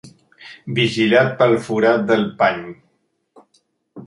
Vigilat pel forat del pany.